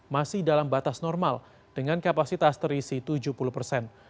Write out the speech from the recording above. masih dalam batas normal dengan kapasitas terisi tujuh puluh persen